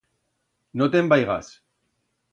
No te'n vaigas.